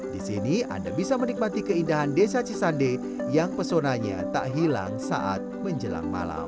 di sini anda bisa menikmati keindahan desa cisande yang pesonanya tak hilang saat menjelang malam